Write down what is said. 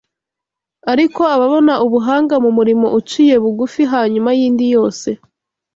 Ariko ababona ubuhanga mu murimo uciye bugufi hanyuma y’indi yose